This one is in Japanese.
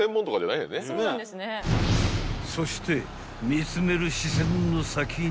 ［そして］